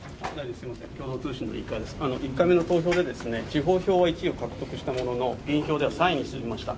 １回目の投票で地方票は１位を獲得したものの議員票では３位になりました